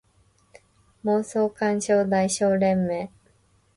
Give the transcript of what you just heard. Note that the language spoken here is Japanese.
妄想感傷代償連盟